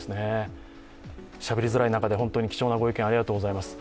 しゃべりづらい中で、本当に貴重なご意見、ありがとうございます。